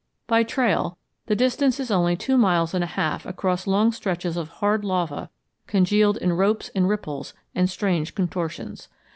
By trail, the distance is only two miles and a half across long stretches of hard lava congealed in ropes and ripples and strange contortions.